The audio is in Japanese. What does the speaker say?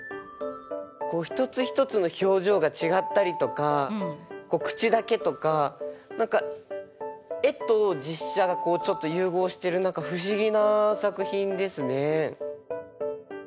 一つ一つの表情が違ったりとか口だけとか何か絵と実写がちょっと融合してる何か不思議な作品ですね。